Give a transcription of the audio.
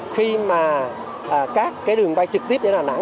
khi mà các cái đường bay trực tiếp đến đà nẵng